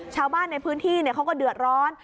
ชาวบ้านในพื้นที่เขาก็เดือดร้อน